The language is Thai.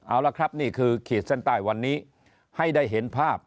เอาละครับนี่คือขีดเส้นใต้วันนี้ให้ได้เห็นภาพ